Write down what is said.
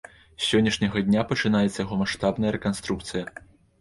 З сённяшняга дня пачынаецца яго маштабная рэканструкцыя.